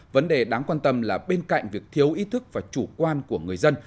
vấn đề đáng quan tâm là bên cạnh việc thiếu ý thức và chủ quan của người dân